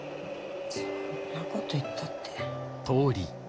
そんなこと言ったって。